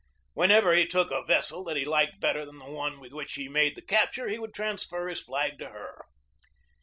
Whenever he took a vessel that he liked better than the one with which he made the capture, he would transfer his flag to her.